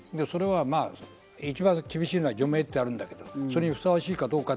一番厳しいのは除名というのがあるんだけど、それにふさわしいかどうか。